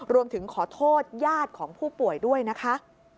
รวมถึงขอโทษญาติของผู้ป่วยด้วยนะคะ